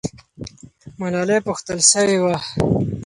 ملالۍ پوښتل سوې وه.